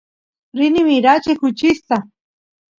rini mirachiy kuchista